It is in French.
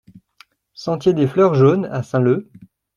Sentier des Fleurs Jaunes à Saint-Leu